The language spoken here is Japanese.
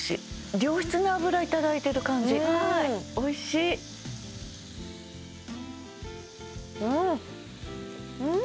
良質な脂いただいてる感じおいしいうんっうん！